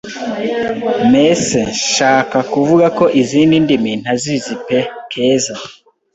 Mese nshaka kuvuga ko izindi ndimi ntazizi pe! Keza: